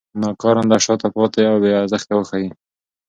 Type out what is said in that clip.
ناکارنده، شاته پاتې او بې ارزښته وښيي.